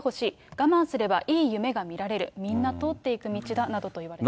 我慢すればいい夢が見られる、みんな通っていく道だなどと言われたと。